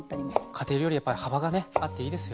家庭料理はやっぱり幅がねあっていいですよね。